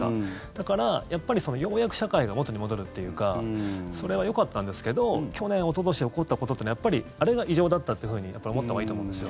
だから、やっぱりようやく社会が元に戻るっていうかそれはよかったんですけど去年、おととし起こったことってのはやっぱり、あれが異常だったと思ったほうがいいと思うんです。